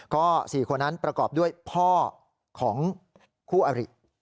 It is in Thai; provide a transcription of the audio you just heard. ก็๔คนนั้นประกอบด้วยพ่อของคู่อริ